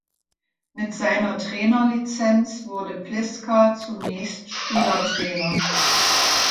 Mit seiner Trainer-Lizenz wurde Pliska zunächst Spielertrainer.